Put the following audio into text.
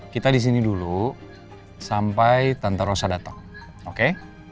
kita di sini dulu sampai tante rosa dateng oke